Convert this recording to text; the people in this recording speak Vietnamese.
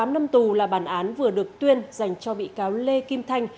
một mươi tám năm tù là bản án vừa được tuyên dành cho bị cáo lê kim thanh